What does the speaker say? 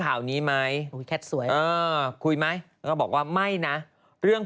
ข่าวนี้ไหมแคทสวยเออคุยไหมแล้วก็บอกว่าไม่นะเรื่อง